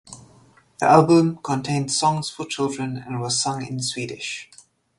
The album contained songs for children and was sung in Swedish.